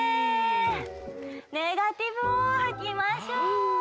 ネガティブをはきましょう。